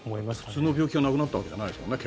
普通の病気がなくなったわけじゃないからね。